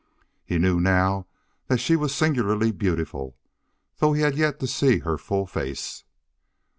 He knew now that she was singularly beautiful, though he had yet to see her full face.